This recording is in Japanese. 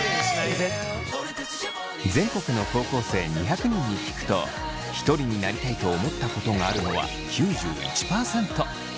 でも全国の高校生２００人に聞くとひとりになりたいと思ったことがあるのは９１％。